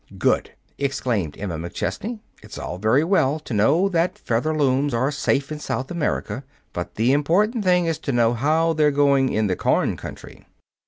"Good!" exclaimed Emma McChesney. "It's all very well to know that Featherlooms are safe in South America. But the important thing is to know how they're going in the corn country."